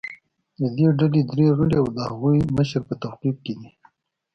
د دې ډلې درې غړي او د هغو مشر په توقیف کې دي